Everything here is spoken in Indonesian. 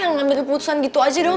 yang ngambil keputusan gitu aja dong